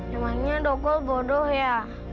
yang lainnya dokol bodoh ya